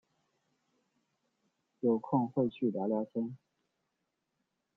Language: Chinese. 有空会去聊聊天